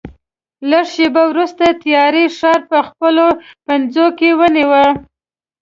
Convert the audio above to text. لږ شېبه وروسته تیارې ښار په خپلو پنجو کې ونیو.